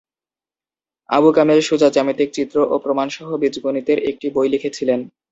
Abu Kamil Shuja জ্যামিতিক চিত্র ও প্রমাণ সহ বীজগণিতের একটি বই লিখেছিলেন।